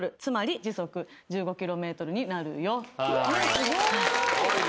・すごーい！